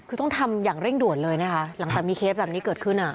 คือต้องทำอย่างเร่งด่วนเลยนะคะหลังจากมีเคสแบบนี้เกิดขึ้นอ่ะ